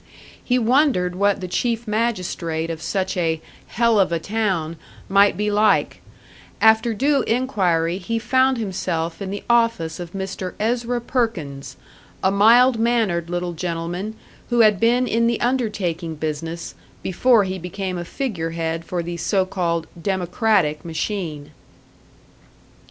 He wondered what the chief magistrate of such a "hell of a town" might be like; after due inquiry, he found himself in the office of Mr. Ezra Perkins, a mild mannered little gentleman who had been in the undertaking business, before he became a figure head for the so called "Democratic" machine.